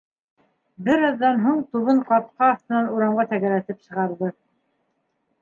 Бер аҙҙан һуң тубын ҡапҡа аҫтынан урамға тәгәрәтеп сығарҙы.